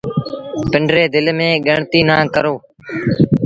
پنڊري دل ميݩ ڳڻتيٚ نا ڪرو